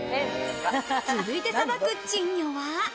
続いてさばく珍魚は。